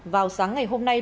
vào sáng ngày hôm nay